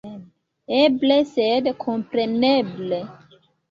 Eble, sed kompreneble.